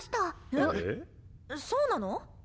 え⁉そうなの？